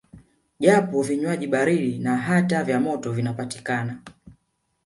Japo vinywaji baridi na hata vya moto vinapatikana